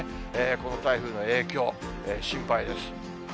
この台風の影響、心配です。